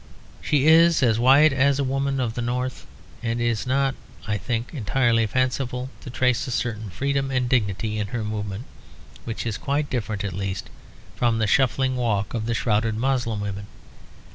She is as white as a woman of the North; and it is not, I think, entirely fanciful to trace a certain freedom and dignity in her movement, which is quite different at least from the shuffling walk of the shrouded Moslem women.